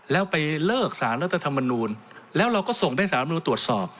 แล้วไปเลิกสารรัฐธรรมนูลแล้วเราก็ส่งให้สารรัฐมนุนตรวจสอบ